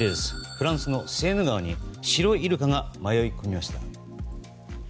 フランスのセーヌ川に白イルカが迷い込みました。